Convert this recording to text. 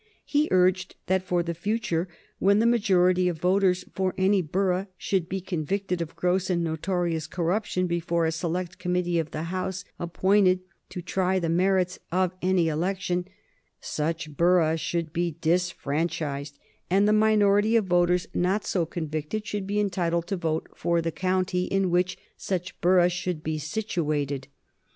He urged that for the future, when the majority of voters for any borough should be convicted of gross and notorious corruption before a select committee of the House appointed to try the merits of any election, such borough should be disfranchised and the minority of voters not so convicted should be entitled to vote for the county in which such borough should be situated.